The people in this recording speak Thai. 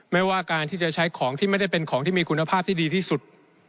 ไม่ว่าการที่จะใช้ของที่ไม่ได้เป็นของที่มีคุณภาพที่ดีที่สุด